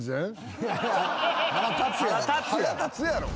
腹立つやろ！？